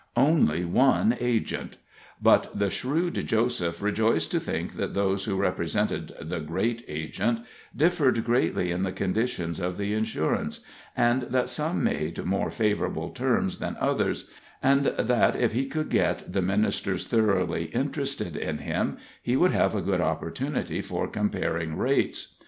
Only one Agent! But the shrewd Joseph rejoiced to think that those who represented the Great Agent differed greatly in the conditions of the insurance, and that some made more favorable terms than others, and that if he could get the ministers thoroughly interested in him, he would have a good opportunity for comparing rates.